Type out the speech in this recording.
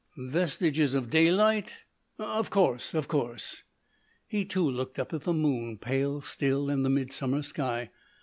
"Vestiges of daylight?... Of course, of course." He too looked up at the moon, pale still in the midsummer sky.